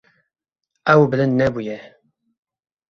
Ew bilind nebûye.